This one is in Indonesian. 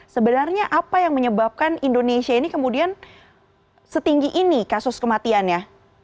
sebenarnya apa yang menyebabkan indonesia ini kemudian setinggi ini kasus kematiannya